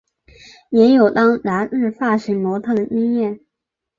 也有当杂志发型模特儿的经验。